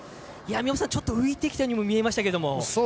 ちょっと浮いてきたようにも見えましたけれども。